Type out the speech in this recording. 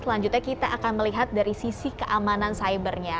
selanjutnya kita akan melihat dari sisi keamanan cybernya